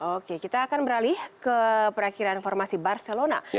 oke kita akan beralih ke perakhiran formasi barcelona